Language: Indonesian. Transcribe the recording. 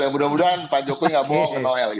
kemudian pak jokowi nggak bohong ke noel